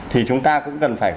thì chúng ta cũng cần phải